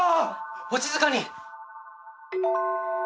お静かに！